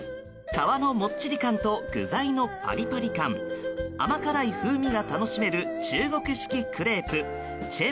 皮のモッチリ感と具材のパリパリ感甘辛い風味が楽しめる中国式クレープ煎餅